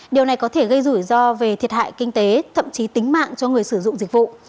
điều này có thể gây rủi ro về thiệt hại kinh tế thậm chí tính mạng cho người sử dụng dịch vụ